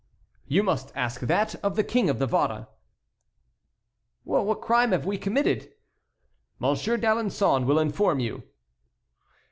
"You must ask that of the King of Navarre." "What crime have we committed?" "Monsieur d'Alençon will inform you."